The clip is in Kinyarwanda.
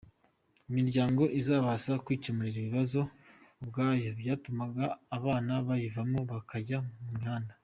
Imiryango izabasha kwicyemurira ibibazo ubwayo byatumaga abana bayivamo bakajya mu mihanda.